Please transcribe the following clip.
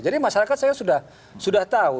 jadi masyarakat saya sudah tahu